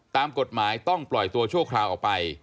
ตามกฎหมายต้องปล่อยตัวชั่วคราวออกไป